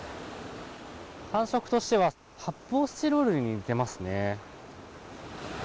感触としては発泡スチロールに似てますね。